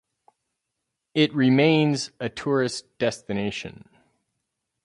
It remains a tourist destination.